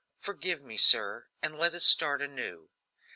Forgive me, sir, and let us start anew."